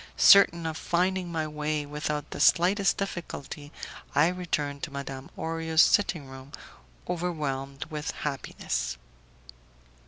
Certain of finding my way without the slightest difficulty, I returned to Madame Orio's sitting room, overwhelmed with happiness.